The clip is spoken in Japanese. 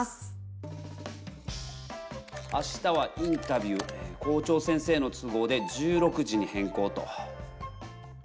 あしたはインタビュー校長先生の都合で１６時に変更と。